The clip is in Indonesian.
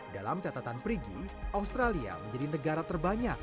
dalam catatan prigi australia menjadi negara terbesar